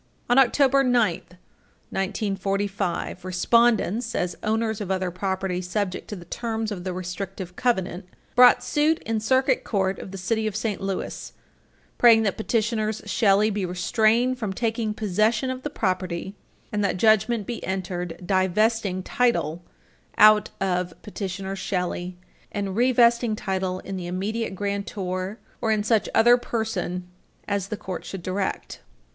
Page 334 U. S. 6 On October 9, 1945, respondents, as owners of other property subject to the terms of the restrictive covenant, brought suit in the Circuit Court of the city of St. Louis praying that petitioners Shelley be restrained from taking possession of the property and that judgment be entered divesting title out of petitioners Shelley and revesting title in the immediate grantor or in such other person as the court should direct.